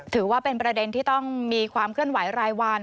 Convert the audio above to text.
ถือว่าเป็นประเด็นที่ต้องมีความเคลื่อนไหวรายวัน